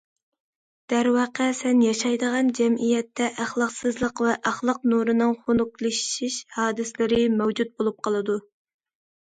دەرۋەقە، سەن ياشايدىغان جەمئىيەتتە ئەخلاقسىزلىق ۋە ئەخلاق نۇرىنىڭ خۇنۈكلىشىش ھادىسىلىرى مەۋجۇت بولۇپ قالىدۇ.